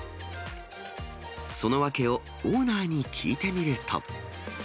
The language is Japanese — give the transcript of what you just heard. その訳をオーナーに聞いてみると。